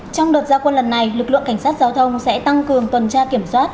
trong đợt gia quân lần này lực lượng cảnh sát giao thông sẽ tăng cường tuần tra kiểm soát